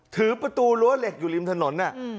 ถือประตูรั้วเหล็กอยู่ริมถนน